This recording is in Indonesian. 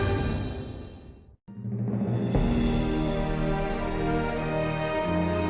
jadi sudah ada hal selanjutnya kali itu saya akan menyesal